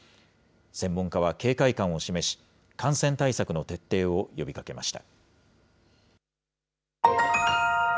専門家は警戒感を示し、感染対策の徹底を呼びかけました。